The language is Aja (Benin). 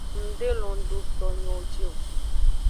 Ng de lon do towo nyo ji o.